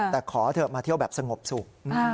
แต่ขอเถอะมาเที่ยวแบบสงบสุข